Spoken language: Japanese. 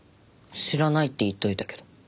知らないって言っておいたけど。